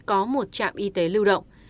có một trạm y tế lưu động